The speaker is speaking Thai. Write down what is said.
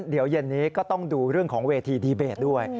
เดี๋ยวเย็นนี้ก็ต้องดูเรื่องของเวทีดีเบตด้วย